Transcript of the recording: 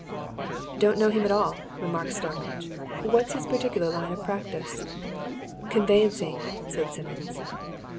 "Don't know him at all," remarked Starmidge. "What's his particular line of practice?" "Conveyancing," said Simmons.